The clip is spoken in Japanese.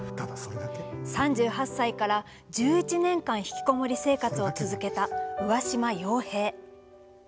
３８歳から１１年間引きこもり生活を続けた上嶋陽平。